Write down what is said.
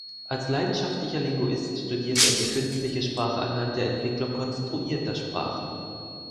Als leidenschaftlicher Linguist studierte er die künstliche Sprache anhand der Entwicklung konstruierter Sprachen.